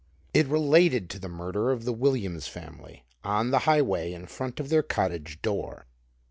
It related to the murder of the Williams family on the Highway in front of their cottage door.